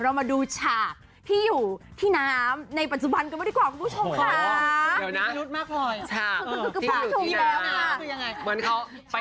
เรามาดูฉากที่อยู่ที่น้ำในปันสุบันของพี่ปีฟได้มากกว่านี้